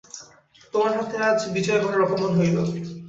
তোমার হাতে আজ বিজয়গড়ের অপমান হইল!